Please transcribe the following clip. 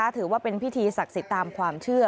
ถือว่าเป็นพิธีศักดิ์สิทธิ์ตามความเชื่อ